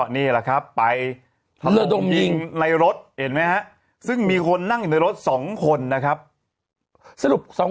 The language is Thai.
เนี่ยแหละครับไปเธอต้นวีงในรถน่ะซึ่งมีคนนั่งในรถสองคนนะครับสรุปสอง